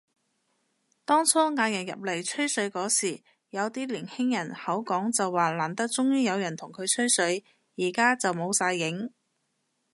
當初嗌人入嚟吹水嗰時，有啲年輕人口講就話難得終於有人同佢吹水，而家就冇晒影